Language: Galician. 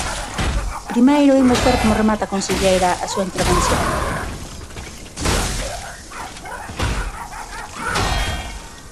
Primeiro imos ver como remata a conselleira a súa intervención.